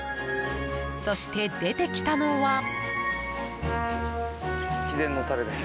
そして、出てきたのは。